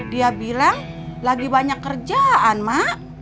dia bilang lagi banyak kerjaan mak